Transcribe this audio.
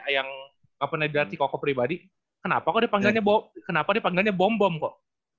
yang apa namanya dari koko pribadi kenapa kok dia panggilnya bom bom kok